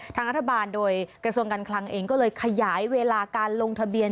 ทางรัฐบาลโดยกระทรวงการคลังเองก็เลยขยายเวลาการลงทะเบียน